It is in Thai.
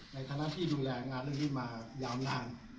ในฐานะที่ดูแลงานเรื่องนี้มายาวนาน